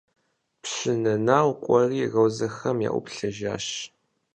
Пщы Нэнау кӀуэри розэхэм яӀуплъэжащ.